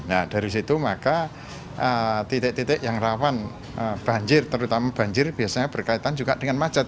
nah dari situ maka titik titik yang rawan banjir terutama banjir biasanya berkaitan juga dengan macet